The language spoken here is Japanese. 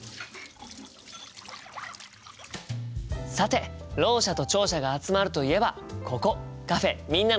さてろう者と聴者が集まるといえばここカフェ「みんなの手話」ですよね。